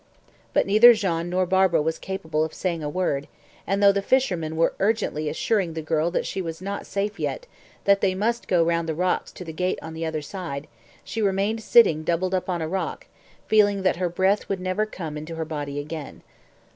But neither Jean nor Barbara was capable of saying a word, and though the fishermen were urgently assuring the girl that she was not safe yet, that they must go round the rocks to the gate on the other side, she remained sitting doubled up on a rock, feeling that her breath would never come into her body again.